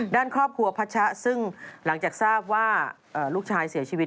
ด้านครอบครัวพัชะซึ่งหลังจากทราบว่าลูกชายเสียชีวิต